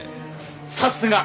さすが！